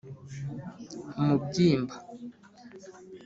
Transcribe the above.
umubyimba